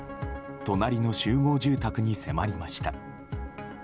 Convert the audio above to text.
隣の集合住宅に迫りました。